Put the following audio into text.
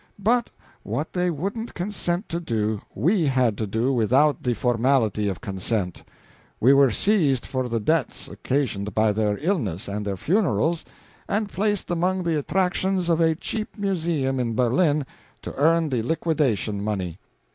But what they wouldn't consent to do we had to do without the formality of consent. We were seized for the debts occasioned by their illness and their funerals, and placed among the attractions of a cheap museum in Berlin to earn the liquidation money.